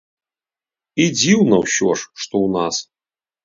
І дзіўна ўсё ж, што ў нас.